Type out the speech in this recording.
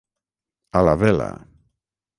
A la vela.